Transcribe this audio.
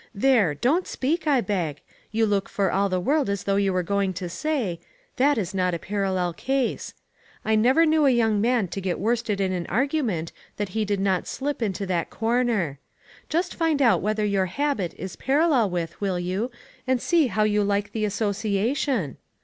There ! don't speak, I beg. You look for all the world as though you were going to say: 4 That is not a parallel case.' I never knew a young man to get worsted in an argu ment that he did not slip into that corner. Just find out what your habit is parallel with, will you, and see how you like the association